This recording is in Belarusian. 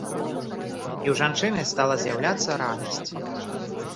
І ў жанчыны стала з'яўляцца радасць.